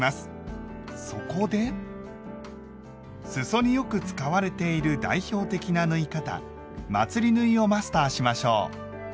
そこですそによく使われている代表的な縫い方「まつり縫い」をマスターしましょう。